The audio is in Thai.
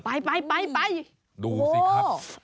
ไปไปดูสิครับ